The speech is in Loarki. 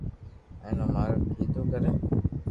ھين او مارو ڪيدو ڪري ھي